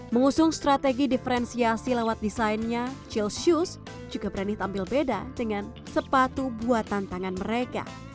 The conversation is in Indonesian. mengusung strategi diferensiasi lewat desainnya chill shoes juga berani tampil beda dengan sepatu buatan tangan mereka